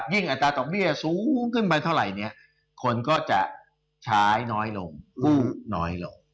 อัตราดอกเบี้ยสูงขึ้นไปเท่าไหร่เนี่ยคนก็จะใช้น้อยลงกู้น้อยลง